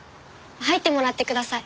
入ってもらってください。